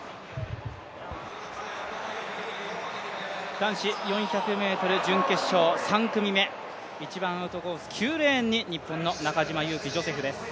男子４００ｍ準決勝３組目、一番アウトコース、９レーンに日本の中島佑気ジョセフです。